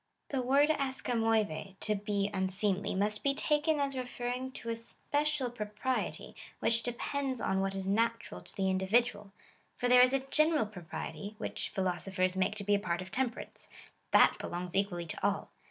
/^The word da'xrjfjLovelv (to be unseemly) must be taken as re ferring to a special propriety, which depends on what is natural to the individual ; for there is a general propriety, which j)hilo sophers make to be a part of temperance. That belongs equal ly to all.